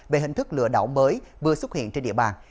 về hình thức lừa đảo mới vừa xuất hiện trên địa bàn